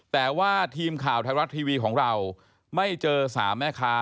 แต่ว่าทีมข่าวไทยรัฐทีวีของเราไม่เจอสามแม่ค้า